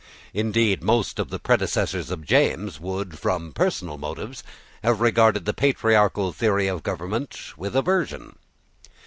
Indeed most of the predecessors of James would, from personal motives, have regarded the patriarchal theory of government with aversion.